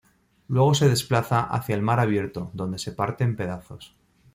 Luego se desplaza hacia el mar abierto, donde se parte en pedazos.